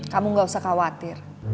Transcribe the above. kamu gak usah khawatir